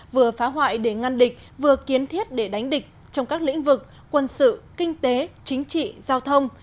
vừa phá hoại để ngăn địch vừa kiến thiết để đánh địch trong các lĩnh vực quân sự kinh tế chính trị giao thông